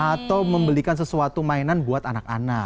atau membelikan sesuatu mainan buat anak anak